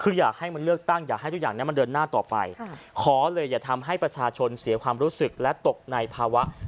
คืออยากให้มันเลือกตั้งอยากให้ทุกอย่างนั้นมันเดินหน้าต่อไปขอเลยอย่าทำให้ประชาชนเสียความรู้สึกและตกในภาวะ